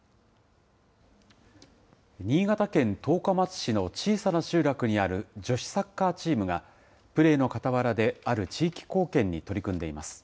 新潟県十日町市の小さな集落にある女子サッカーチームが、プレーのかたわらである地域貢献に取り組んでいます。